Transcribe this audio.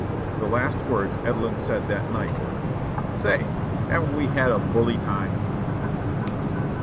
The last words Edelin said that night were : "Say, haven't we had a bully time?"